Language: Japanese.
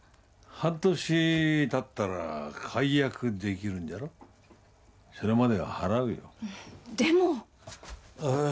半年たったら解約できるんじゃろそれまでは払うよでもああ